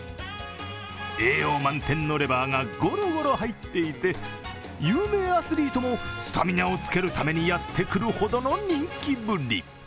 栄養満点のレバーがごろごろ入っていて有名アスリートもスタミナをつけるためにやってくるほどの人気ぶり。